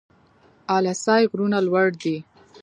اله سای غرونه لوړ دي؟